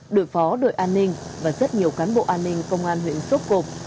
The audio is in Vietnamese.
đội phó đội an ninh và rất nhiều cán bộ an ninh công an huyện sốt cục